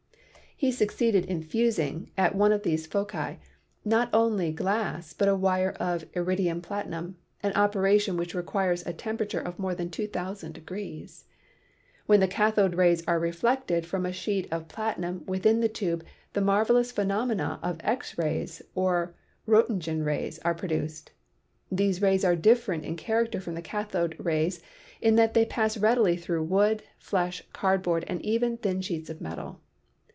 He succeeded in Fig. 4 — Cathode Radiation. fusing, at one of these foci, not only glass but a wire of iridium platinum, an operation which requires a tempera ture of more than 2,000° When the cathode rays are reflected from a sheet of platinum within the tube the marvelous phenomena of X rays, or Roentgen rays, are produced. These rays are different in character from the cathode rays in that they pass readily through wood, flesh, cardboard and even thin sheets of metal.